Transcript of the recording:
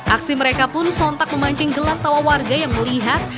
aksi mereka pun sontak memancing gelak tawa warga yang melihat